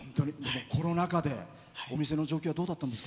コロナ禍でお店の状況はどうだったんですか？